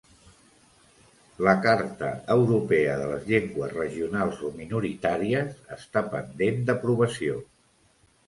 La Carta Europea de les Llengües Regionals o Minoritàries està pendent d'aprovació